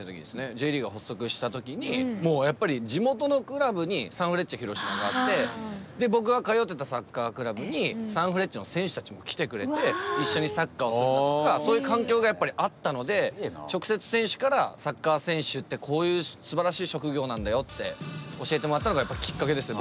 Ｊリーグが発足した時にもうやっぱり地元のクラブにサンフレッチェ広島があってで僕が通ってたサッカークラブにサンフレッチェの選手たちも来てくれて一緒にサッカーをするだとかそういう環境がやっぱりあったので直接選手からサッカー選手ってこういうすばらしい職業なんだよって教えてもらったのがきっかけですね。